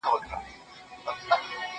هغه څوک چي کتابتون ته راځي ارام اخلي.